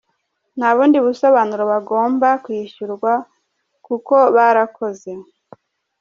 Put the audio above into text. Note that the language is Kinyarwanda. Nta bundi busobanuro, bagomba kwishyurwa kuko barakoze.